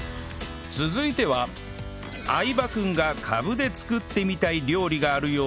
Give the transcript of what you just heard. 続いては相葉君がカブで作ってみたい料理があるようで